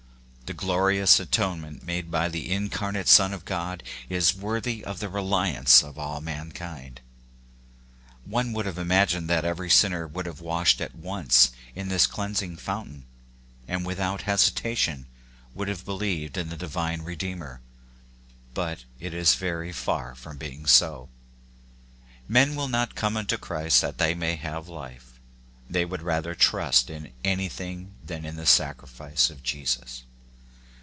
The glorious atonement made by the incarnate Son of God is worthy of the reliance of all ma!nkind. One would have imagined that every sinner would have washed at once in this cleansing fountain, and without hesitation would have believed in the divine Redeemer : but WAose are the Promises, 39 it is very far from being so. Men will not come unto Christ that they may have life. They would rather trust in anything than in the sacrifice of Jesus.